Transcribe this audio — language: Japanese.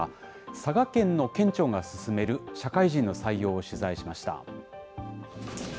佐賀県の県庁が進める社会人の採用を取材しました。